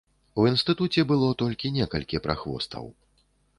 У інстытуце было толькі некалькі прахвостаў.